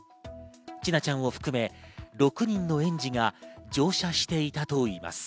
千奈ちゃんを含め６人の園児が乗車していたといいます。